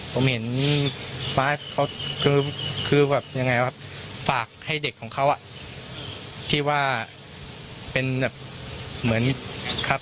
ผมเห็นฟ้าเขาคือแบบยังไงครับฝากให้เด็กของเขาอ่ะที่ว่าเป็นแบบเหมือนครับ